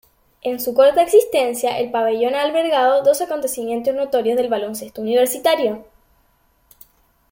En su corta existencia, el pabellón ha albergado dos acontecimientos notorios de baloncesto universitario.